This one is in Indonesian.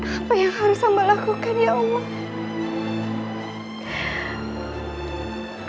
apa yang harus amba lakukan ya allah